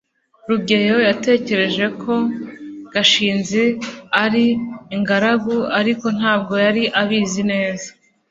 rugeyo yatekereje ko gashinzi ari ingaragu, ariko ntabwo yari abizi neza